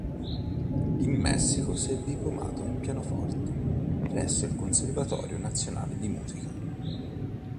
In Messico si è diplomato in pianoforte presso il Conservatorio Nazionale di Musica.